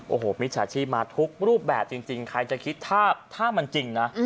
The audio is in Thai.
โอ้โหมิจฉาชีพมาทุกรูปแบบจริงใครจะคิดถ้ามันจริงนะ